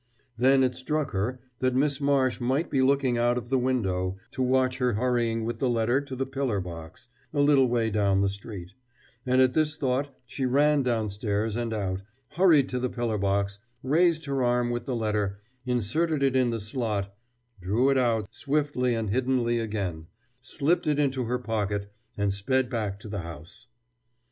Then it struck her that Miss Marsh might be looking out of the window to watch her hurrying with the letter to the pillar box a little way down the street, and at this thought she ran downstairs and out, hurried to the pillar box, raised her arm with the letter, inserted it in the slot, drew it out swiftly and hiddenly again, slipped it into her pocket, and sped back to the house.